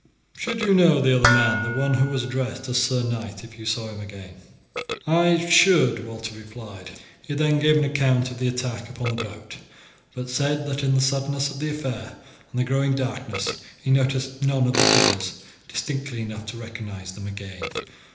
"Should you know the other man, the one who was addressed as sir knight, if you saw him again?" "I should," Walter replied. He then gave an account of the attack upon the boat, but said that in the suddenness of the affair and the growing darkness he noticed none of the figures distinctly enough to recognize them again.